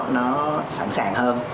nó sẵn sàng hơn